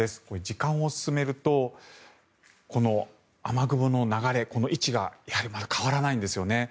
時間を進めるとこの雨雲の流れ、この位置がやはりまだ変わらないんですよね。